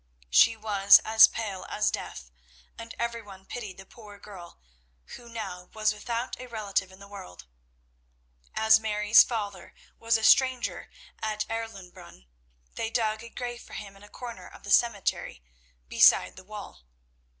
She was as pale as death, and every one pitied the poor girl who now was without a relative in the world. As Mary's father was a stranger at Erlenbrunn, they dug a grave for him in a corner of the cemetery beside the wall.